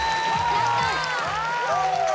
・やった！